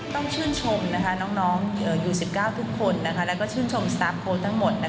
ต้องชื่นชมน้องยู๑๙ทุกคนแล้วก็ชื่นชมสตาร์ฟโค้ดทั้งหมด